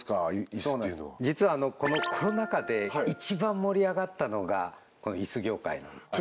イスっていうのは実はこのコロナ禍で一番盛り上がったのがこのイス業界なんです